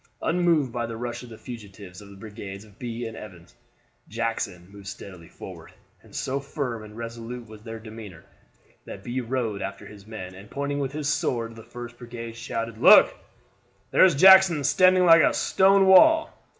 Unmoved by the rush of the fugitives of the brigades of Bee and Evans, Jackson moved steadily forward, and so firm and resolute was their demeanor, that Bee rode after his men, and pointing with his sword to the first brigade, shouted, "Look, there is Jackson standing like a stone wall."